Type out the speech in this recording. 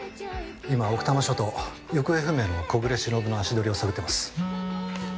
今奥多摩署と行方不明の小暮しのぶの足取りを探ってます。